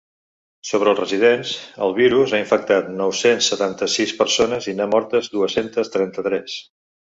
Sobre els residents, el virus ha infectat nou-cents setanta-sis persones i n’ha mortes dues-centes trenta-tres.